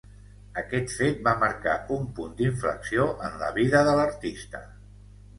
Aquest fet va marcar un punt d'inflexió en la vida de l'artista.